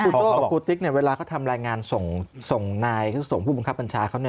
คุณโจ้กับครูติ๊กเนี่ยเวลาเขาทำรายงานส่งนายเขาส่งผู้บังคับบัญชาเขา